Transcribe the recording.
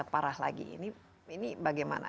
parah lagi ini bagaimana